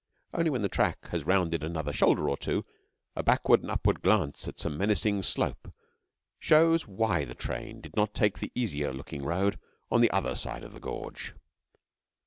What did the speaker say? Only when the track has rounded another shoulder or two, a backward and upward glance at some menacing slope shows why the train did not take the easier looking road on the other side of the gorge.